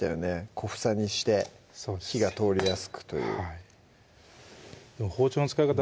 小房にして火が通りやすくという包丁の使い方